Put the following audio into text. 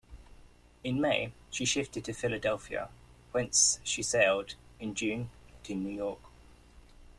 In May, she shifted to Philadelphia, whence she sailed, in June, to New York.